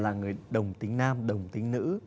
là người đồng tính nam đồng tính nữ